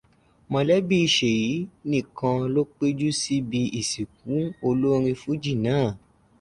Mọ̀lẹ́bí Ṣèyí nìkan ló péjú síbi ìsìnkú olórin fújì náà.